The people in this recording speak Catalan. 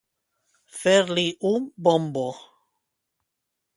Fer-li un bombo.